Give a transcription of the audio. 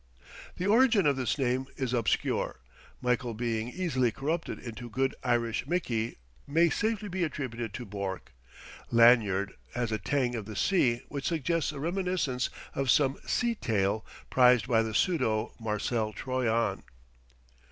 The origin of this name is obscure; Michael being easily corrupted into good Irish Mickey may safely be attributed to Bourke; Lanyard has a tang of the sea which suggests a reminiscence of some sea tale prized by the pseudo Marcel Troyon.